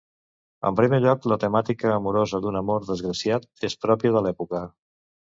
En primer lloc, la temàtica amorosa, d'un amor desgraciat, és pròpia de l'època.